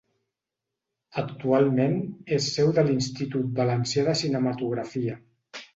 Actualment és seu de l'Institut Valencià de Cinematografia.